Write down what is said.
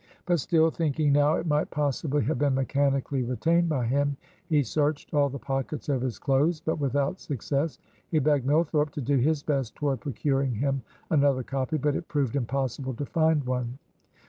But still thinking now it might possibly have been mechanically retained by him, he searched all the pockets of his clothes, but without success. He begged Millthorpe to do his best toward procuring him another copy; but it proved impossible to find one.